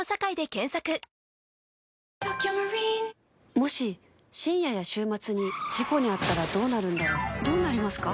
もし深夜や週末に事故に遭ったらどうなるんだろうどうなりますか？